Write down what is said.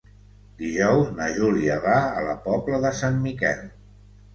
Dijous na Júlia va a la Pobla de Sant Miquel.